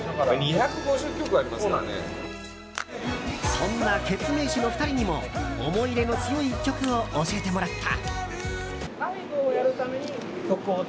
そんなケツメイシの２人にも思い入れの強い１曲を教えてもらった。